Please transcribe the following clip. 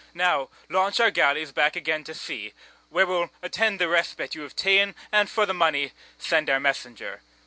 Now launch our galleys back again to sea, Where we'll attend the respite you have ta'en, And for the money send our messenger.